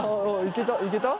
いけた？